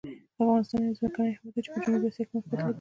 افغانستان یو ځمکني هېواد دی چې په جنوبي آسیا کې موقعیت لري.